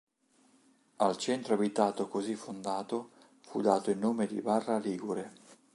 Al centro abitato così fondato fu dato il nome di Barra ligure.